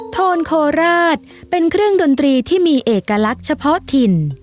โทนโคราชเป็นเครื่องดนตรีที่มีเอกลักษณ์เฉพาะถิ่น